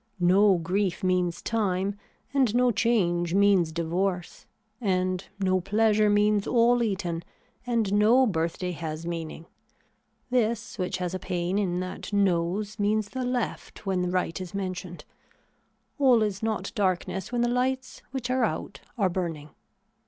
No grief means time and no change means divorce, and no pleasure means all eaten, and no birthday has meaning. This which has a pain in that nose means the left when the right is mentioned. All is not darkness when the lights which are out are burning.